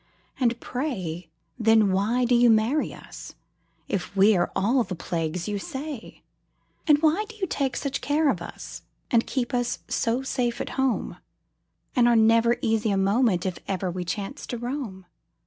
And pray, then, why do you marry us, If we're all the plagues you say? And why do you take such care of us, And keep us so safe at home, And are never easy a moment If ever we chance to roam?